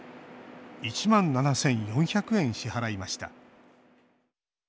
１万７４００円支払いました。